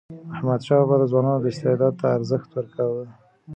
احمدشاه بابا د ځوانانو استعداد ته ارزښت ورکاوه.